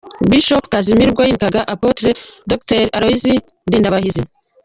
Bishop Casmir ubwo yimikaga Apotre Dr Aloys Ndindabahizi.